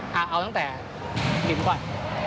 เอาตั้งแต่หินก่อน